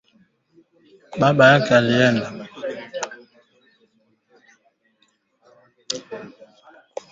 Hii ni mara ya kwanza katika kipindi cha muda mrefu, jeshi la Jamhuri ya Kidemokrasia ya Kongo linaishutumu Rwanda kwa kuunga mkono waasi wa Vuguvugu la Ishirini na tatu